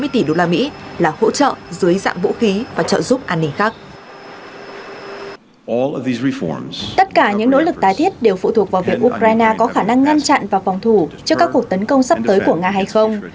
tất cả những nỗ lực tái thiết đều phụ thuộc vào việc ukraine có khả năng ngăn chặn và phòng thủ trước các cuộc tấn công sắp tới của nga hay không